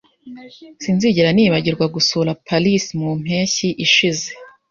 Sinzigera nibagirwa gusura Paris mu mpeshyi ishize.